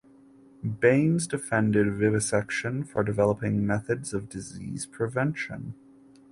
Baynes defended vivisection for developing methods of disease prevention.